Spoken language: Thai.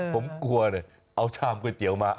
ผมกลัวเลยเอาชามก๋วยเตี๋ยวมา